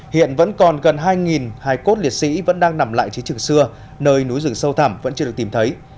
hiện vẫn còn gần hai hải quân liệt sĩ vẫn đang nằm lại trên trường xưa nơi núi rừng sâu thẳm vẫn chưa được tìm thấy